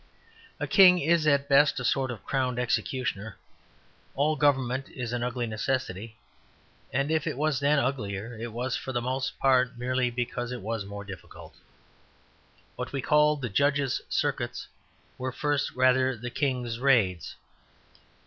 A king is at the best a sort of crowned executioner; all government is an ugly necessity; and if it was then uglier it was for the most part merely because it was more difficult. What we call the Judges' circuits were first rather the King's raids.